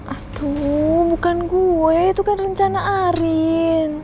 aduh bukan gue ya itu kan rencana arin